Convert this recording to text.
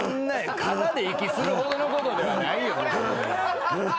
肩で息するほどのことじゃないよ。